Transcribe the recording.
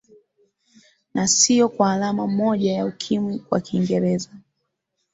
na sio kwa alama moja ya ukimwi kwa kingereza